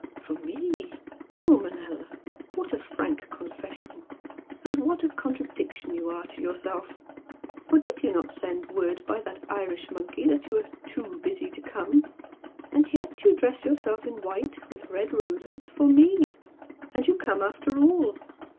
"For me? Oh, Manella! What a frank confession! And what a contradiction you are to yourself! For did you not send word by that Irish monkey that you were 'too busy to come'? And yet you dress yourself in white, with red roses, for ME! And you come after all!